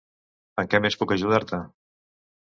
En què més puc ajudar-te?